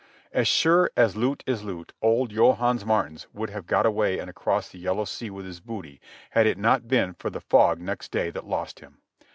As sure as loot is loot, old Johannes Maartens would have got away and across the Yellow Sea with his booty had it not been for the fog next day that lost him.